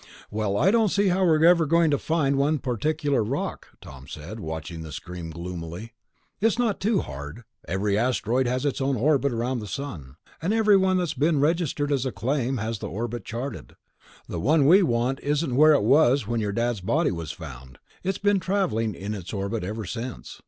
"Well, I don't see how we're ever going to find one particular rock," Tom said, watching the screen gloomily. "It's not too hard. Every asteroid has its own orbit around the sun, and everyone that's been registered as a claim has the orbit charted. The one we want isn't where it was when your Dad's body was found ... it's been travelling in its orbit ever since.